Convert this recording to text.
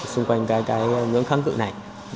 xung quanh ngưỡng kháng cự này